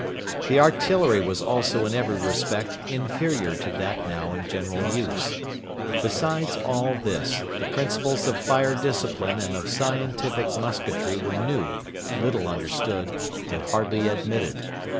The artillery was also in every respect inferior to that now in general use. Besides all this, the principles of fire discipline and of scientific musketry were new, little understood, and hardly admitted.